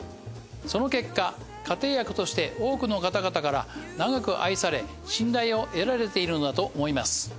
その結果家庭薬として多くの方々から長く愛され信頼を得られているのだと思います。